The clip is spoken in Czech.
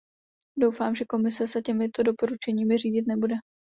Doufám, že Komise se těmito doporučeními řídit nebude.